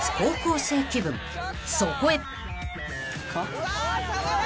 ［そこへ］